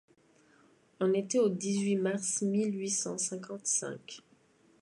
On était au dix-huit mars mille huit cent cinquante-cinq